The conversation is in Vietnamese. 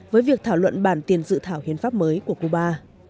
với việc thảo luận bản tiền dự thảo hiến pháp mới của cuba